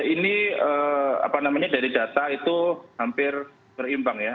ini apa namanya dari data itu hampir berimbang ya